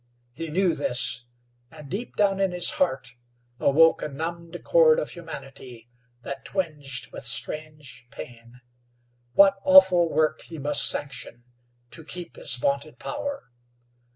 He knew this, and deep down in his heart awoke a numbed chord of humanity that twinged with strange pain. What awful work he must sanction to keep his vaunted power!